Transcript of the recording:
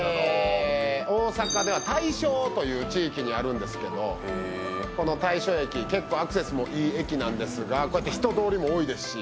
大阪では大正という地域にあるんですけどこの大正駅結構アクセスもいい駅なんですが人通りも多いですし